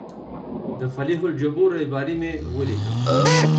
د فلیح الجبور ریباري مې ولیکه.